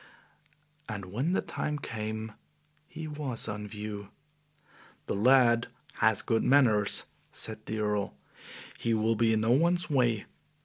And when the time came he was on view. "The lad has good manners," said the Earl. "He will be in no one's way.